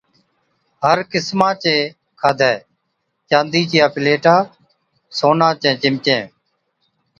هر قِسما چَي کاڌَي، چاندِي چِيا پليٽا، سونا چين چمچين